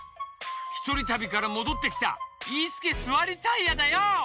ひとりたびからもどってきたイースケ・スワリタイヤだよ！